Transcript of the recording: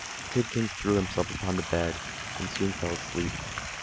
Tidkins threw himself upon the bed and soon fell asleep.